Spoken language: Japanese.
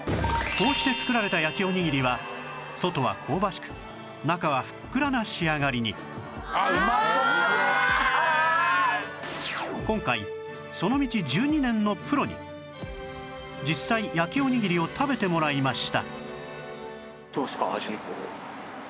こうして作られた焼おにぎりは今回その道１２年のプロに実際焼おにぎりを食べてもらいました